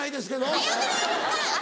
・あっよくないですか・